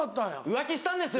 浮気したんですよ